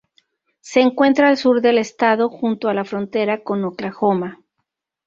Se encuentra al sur del estado, junto a la frontera con Oklahoma.